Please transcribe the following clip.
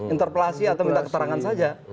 interpelasi atau minta keterangan saja